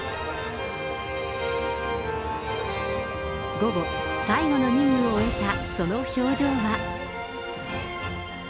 午後、最後の任務を終えたその表情は。